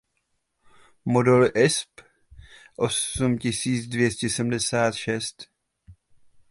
Moduly Esp osmtisíc dvěstě šedesát šest